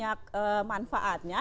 jadi kita harus mencari manfaatnya